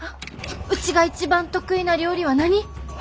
うちが一番得意な料理は何？